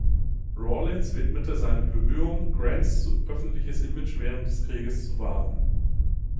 Rawlins widmete seine Bemühungen, Grants öffentliches Image während des Krieges zu wahren.